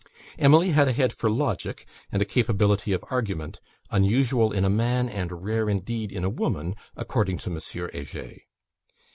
Emily had a head for logic, and a capability of argument, unusual in a man, and rare indeed in a woman, according to M. Heger.